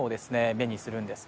目にするんです